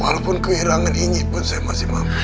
walaupun kehilangan ini pun saya masih mampu